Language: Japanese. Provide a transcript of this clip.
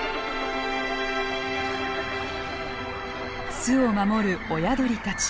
巣を守る親鳥たち。